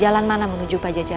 dia akan menemukan aku